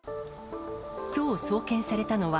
きょう送検されたのは、